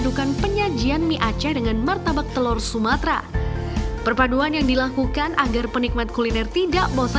direbus sedangkan untuk martabak telurnya diberi hiasan cabe rawit diatasnya kerupuk